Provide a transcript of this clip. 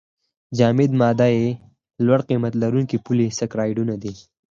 جامد ماده یې لوړ قیمت لرونکي پولې سکرایډونه دي.